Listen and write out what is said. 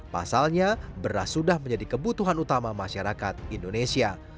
pasalnya beras sudah menjadi kebutuhan utama masyarakat indonesia